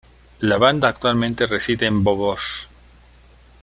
La banda actualmente reside en Bogor.